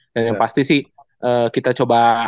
dan yang pasti sih kita coba